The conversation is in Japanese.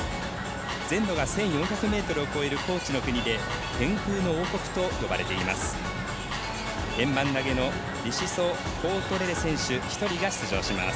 全土が１４００ｍを超える高地の国で天空の王国と呼ばれています。